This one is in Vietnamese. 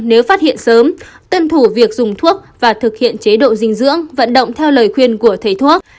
nếu phát hiện sớm tuân thủ việc dùng thuốc và thực hiện chế độ dinh dưỡng vận động theo lời khuyên của thầy thuốc